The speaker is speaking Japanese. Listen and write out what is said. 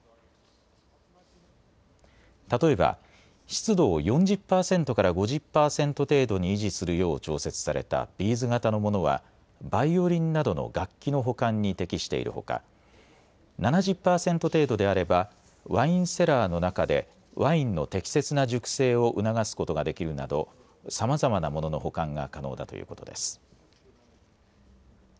例えば、湿度を４０％から５０％程度に維持するよう調節されたビーズ型のものはバイオリンなどの楽器の保管に適しているほか７０％程度であればワインセラーの中でワインの適切な熟成を促すことができるなどさまざまなものの保管が可能だということです。